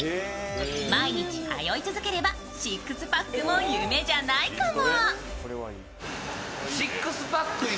毎日通い続ければシックスパックも夢じゃないかも。